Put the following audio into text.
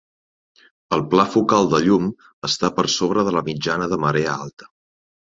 El pla focal de llum està per sobre de la mitjana de marea alta.